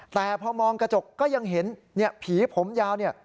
แต่พอมองกระจกก็ยังเห็นผีผมยาวเนี่ย